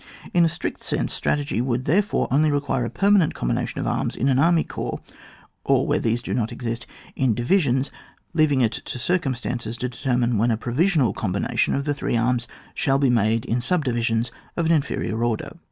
In a strict sense strategy would there fore only require a permanent combina tion of arms in army corps, or where these do not exist, in divisions, leaving it to circumstances to determine when a provisional combination of the three arms shall be made in subdivisions of an inferior order.